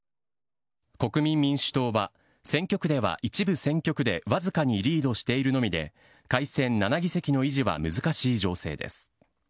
国民民主党は選挙区では一部選挙区でわずかにリードしているのみで改選７議席の維持は難しい情勢です。